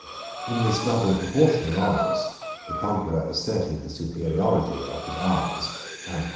In this double proportion of honors, the conqueror asserted the superiority of his arms and power.